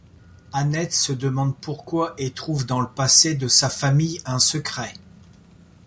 Annette se demande pourquoi et trouve dans le passé de sa famille un secret…